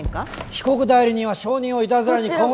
被告代理人は証人をいたずらに困惑。